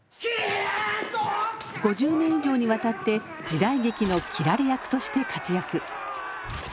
５０年以上にわたって時代劇の斬られ役として活躍。